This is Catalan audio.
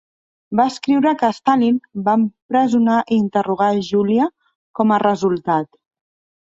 Va escriure que Stalin va empresonar i interrogar Yulia com a resultat.